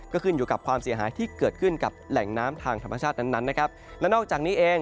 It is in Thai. ก็คือความเสียหายที่เกิดขึ้นกับแหล่งน้ำทางธรรมชาตน์นั้น